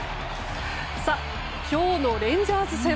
今日のレンジャーズ戦。